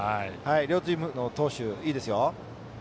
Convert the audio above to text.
両チームの投手、いいですよ。